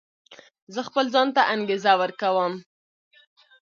زه خپل ځان ته انګېزه ورکوم.